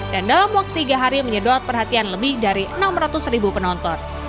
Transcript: dalam waktu tiga hari menyedot perhatian lebih dari enam ratus ribu penonton